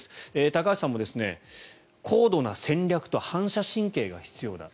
高橋さんも高度な戦略と反射神経が必要だ。